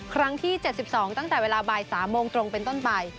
ครั้งที่๗๒ตั้งแต่เวลาบ่าย๓โมงตรงเป็นต้นไป